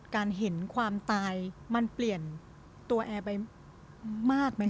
เห็นความตายมันเปลี่ยนตัวแอร์ไปมากไหม